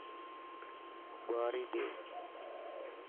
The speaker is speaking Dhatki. ٻواري ڏي.